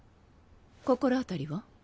心当たりは？